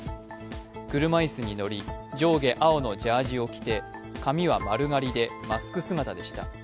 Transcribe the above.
車椅子に載り上下青のジャージーを着て髪は丸刈りでマスク姿でした。